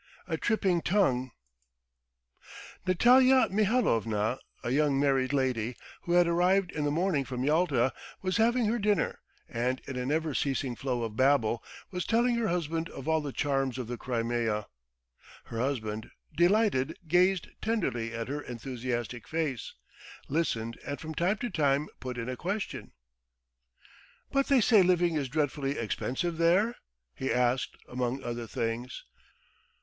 A TRIPPING TONGUE NATALYA MIHALOVNA, a young married lady who had arrived in the morning from Yalta, was having her dinner, and in a never ceasing flow of babble was telling her husband of all the charms of the Crimea. Her husband, delighted, gazed tenderly at her enthusiastic face, listened, and from time to time put in a question. "But they say living is dreadfully expensive there?" he asked, among other things.